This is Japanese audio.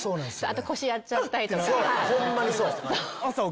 あと腰やっちゃったりとか。